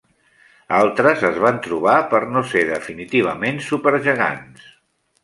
Altres es van trobar per no ser definitivament supergegants.